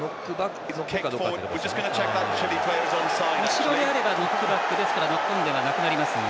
後ろであればノックバックですから、ノックオンではなくなりますが。